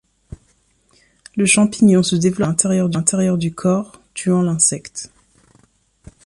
Le champignon se développe alors à l’intérieur du corps tuant l’insecte.